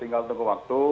tinggal tunggu waktu